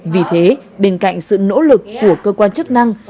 vì thế bên cạnh sự nỗ lực của cơ quan chức năng